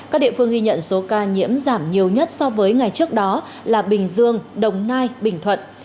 các địa phương ghi nhận số ca nhiễm giảm nhiều nhất so với ngày trước đó là bình dương đồng nai bình thuận